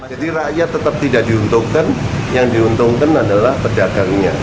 jadi rakyat tetap tidak diuntungkan yang diuntungkan adalah pedagangnya